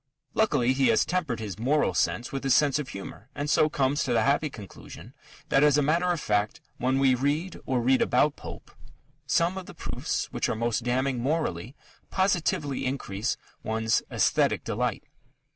Luckily, he has tempered his moral sense with his sense of humour, and so comes to the happy conclusion that as a matter of fact, when we read or read about Pope, "some of the proofs which are most damning morally, positively increase one's aesthetic delight."